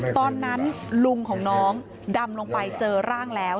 ตอนนั้นลุงของน้องดำลงไปเจอร่างแล้ว